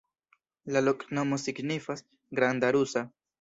La loknomo signifas: granda rusa.